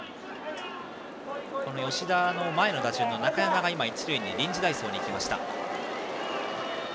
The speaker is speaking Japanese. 吉田の前の打順の中山が今、一塁に臨時代走に行きました。